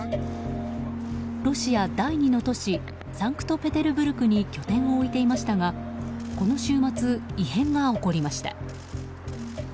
ロシア第２の都市サンクトペテルブルクに拠点を置いていましたがこの週末、異変が起こりました。